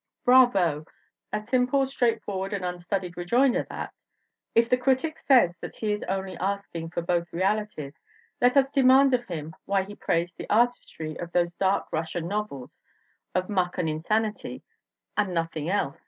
Bravo! A simple, straightforward and unstudied rejoinder, that! And if the critic says that he is only asking for "both realities" let us demand of him why he praised the "artistry" of those dark Russian novels of muck and insanity and nothing else.